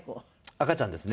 赤ちゃんですね。